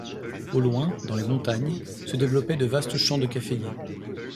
Au loin, dans les montagnes, se développaient de vastes champs de caféiers.